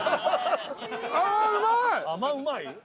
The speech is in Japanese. あうまい！